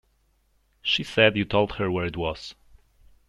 She said you told her where it was.